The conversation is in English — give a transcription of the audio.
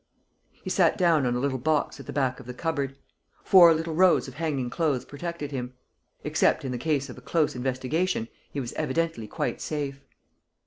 He sat down on a little box at the back of the cupboard. Four rows of hanging clothes protected him. Except in the case of a close investigation, he was evidently quite safe.